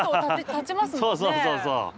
そうそうそうそう。